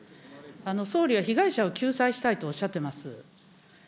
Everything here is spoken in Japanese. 総理は被害者を救済したいとおっしゃっています。